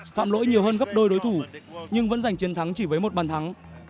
phạm lỗi nhiều hơn gấp đôi đối thủ nhưng vẫn giành chiến thắng chỉ với một bàn thắng